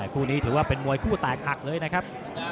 คู่นี้ถือว่าเป็นมวยคู่แตกหักเลยนะครับ